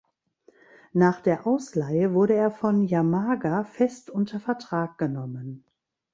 Nach der Ausleihe wurde er von Yamaga fest unter Vertrag genommen.